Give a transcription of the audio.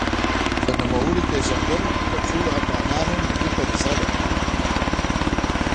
د نوموړي پېژندل د ټولو افغانانو ملي فریضه ده.